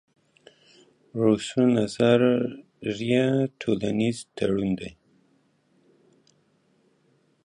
روسو نظریه ټولنیز تړون دئ.